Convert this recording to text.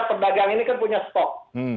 pedagang ini kan punya stok